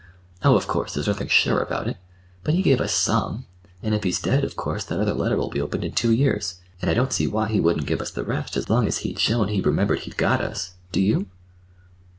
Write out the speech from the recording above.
"Oh, of course, there's nothing sure about it. But he gave us some, and if he's dead, of course, that other letter'll be opened in two years; and I don't see why he wouldn't give us the rest, as long as he'd shown he remembered he'd got us. Do you?"